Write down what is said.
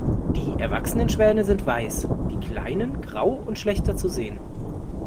Die erwachsenen Schwäne sind weiß, die kleinen grau und schlechter zu sehen.